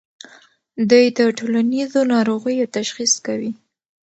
دوی د ټولنیزو ناروغیو تشخیص کوي.